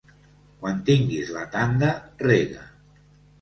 Quan tinguis la tanda, rega.